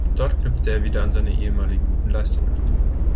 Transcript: Dort knüpfte er wieder an seine ehemaligen guten Leistungen an.